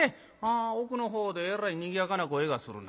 奥の方でえらいにぎやかな声がするな。